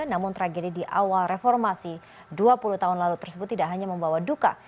namun tragedi di awal reformasi dua puluh tahun lalu tersebut tidak hanya membawa duka